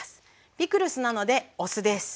ピクルスなのでお酢ですね。